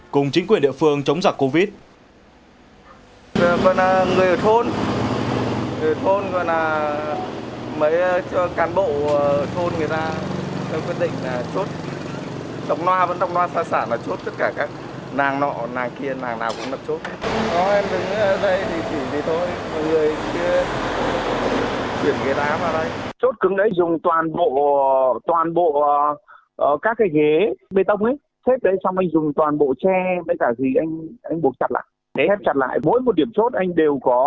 cùng chính quyền địa phương chống dọc covid